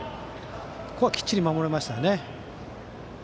ここはきっちり守れましたね。